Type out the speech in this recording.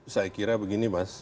saya kira begini mas